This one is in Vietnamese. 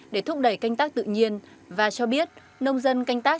để thúc đẩy canh tác tự nhiên và cho biết nông dân canh tác